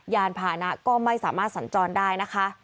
ยานพานะก็ไม่สามารถสัญจรได้นะคะ